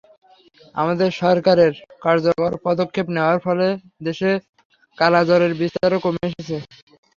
আমাদের সরকারের কার্যকর পদক্ষেপ নেওয়ার ফলে দেশে কালাজ্বরের বিস্তারও কমে এসেছে।